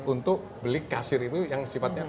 untuk beli kasir itu yang sifatnya